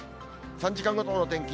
３時間ごとの天気。